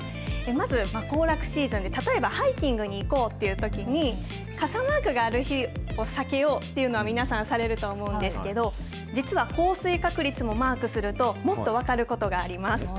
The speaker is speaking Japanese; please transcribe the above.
まず行楽シーズンで、例えばハイキングに行こうというときに、傘マークがある日を避けようというのは皆さんされると思うんですけれども、実は降水確率もマークすると、もっと分かることがあります。